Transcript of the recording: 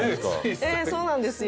ええそうなんですよ。